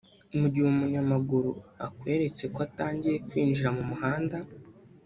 Mu gihe umunyamaguru akweretse ko atangiye kwinjira mu muhanda